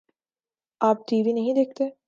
آ پ T V نہیں دیکھتے؟